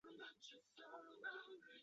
泰拉诺娃出生于义大利托斯卡尼的。